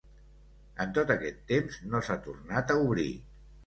En tot aquest temps no s’ha tornat a obrir.